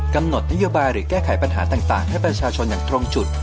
กำหนดนโยบายหรือแก้ไขปัญหาต่างให้ประชาชนอย่างตรงจุด